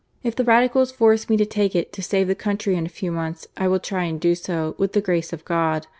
If the Radicals force me to take it to save the country in a few months, I will try and do so, with the grace of God.